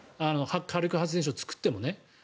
火力発電所を作ってもね。